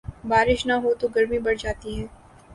بارش نہ ہوتو گرمی بڑھ جاتی ہے۔